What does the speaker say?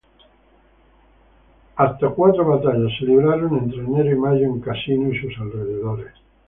Hasta cuatro batallas se libraron, entre enero y mayo, en Cassino y sus alrededores.